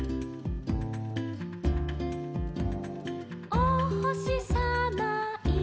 「おほしさまいるよ」